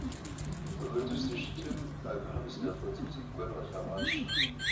Апхуэдэу зыдэщытым, абыхэм зы мафӀэ цӀу цӀыкӀу гуэр къалъэгъуащ.